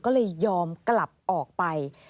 ก็เลยยอมกลับออกไป